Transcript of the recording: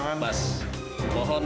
sudah berhebatan ke tempat ini